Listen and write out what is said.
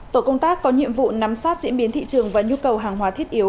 tổ công tác có nhiệm vụ nắm sát diễn biến thị trường và nhu cầu hàng hóa thiết yếu